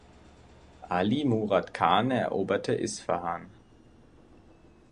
Ali Murad Khan eroberte Isfahan.